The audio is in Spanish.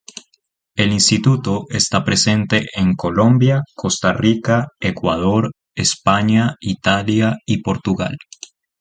El instituto está presente en Colombia, Costa Rica, Ecuador, España, Italia y Portugal.